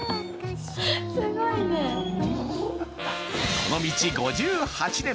この道、５８年。